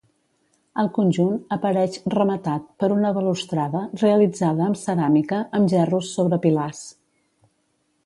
El conjunt apareix rematat per una balustrada realitzada amb ceràmica, amb gerros sobre pilars.